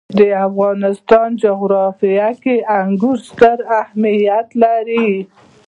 د افغانستان جغرافیه کې انګور ستر اهمیت لري.